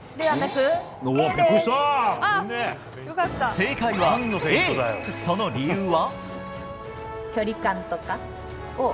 正解はＡ、その理由は？